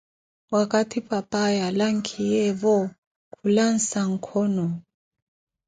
Waakathi papaya alankhiyeevo, khulansa nkhono.